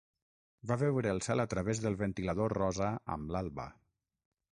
Va veure el cel a través del ventilador rosa amb l'alba.